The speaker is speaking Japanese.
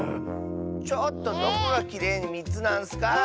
⁉ちょっとどこがきれいに３つなんッスか！